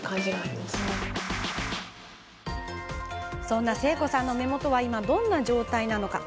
そんな誠子さんの目元は今、どんな状態なのか。